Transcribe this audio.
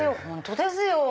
本当ですよ。